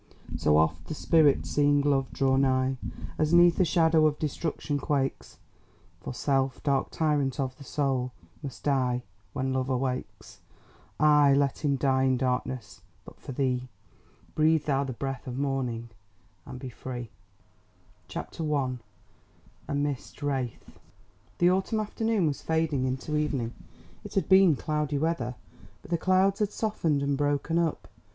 So oft the Spirit seeing Love draw nigh As 'neath the shadow of destruction, quakes, For Self, dark tyrant of the Soul, must die, When Love awakes. Aye, let him die in darkness! But for thee,— Breathe thou the breath of morning and be free!" Rückert. Translated by F. W. B. BEATRICE CHAPTER I. A MIST WRAITH The autumn afternoon was fading into evening. It had been cloudy weather, but the clouds had softened and broken up.